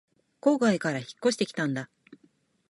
郊外から引っ越してきたんだ